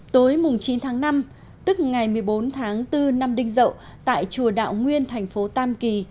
tối chín tháng năm tức ngày một mươi bốn tháng bốn năm đinh dậu tại chùa đạo nguyên thành phố tam kỳ